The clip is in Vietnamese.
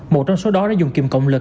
một trong số đó đã dùng kiềm cộng lực